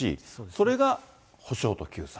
それが補償と救済。